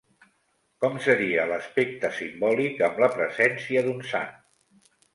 Com seria l'aspecte simbòlic amb la presència d'un sant?